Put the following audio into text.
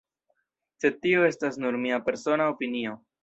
Sed tio estas nur mia persona opinio.